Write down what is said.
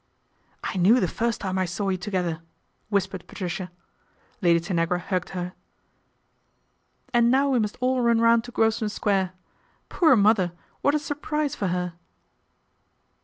"I knew the first time I saw you together, whispered Patricia. Lady Tanagra hugged her. " And now we must all run round to Gr< THE GREATEST INDISCRETION 311 venor Square. Poor Mother what a surprise for her